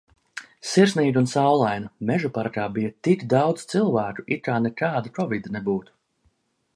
Sirsnīga un saulaina. Mežaparkā bija tik daudz cilvēku, it kā nekāda kovid nebūtu.